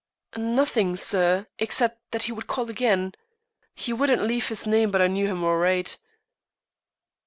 "Nothing, sir; except that he would call again. He wouldn't leave his name, but I know'd him all right."